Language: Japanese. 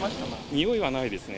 臭いはないですね。